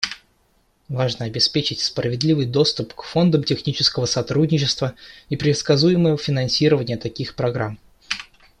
Важно обеспечить справедливый доступ к фондам технического сотрудничества и предсказуемое финансирование таких программ.